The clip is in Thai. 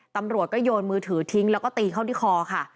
ตำรวจก็โยนมือถือทิ้งแล้วก็ตีเข้าที่คอค่ะ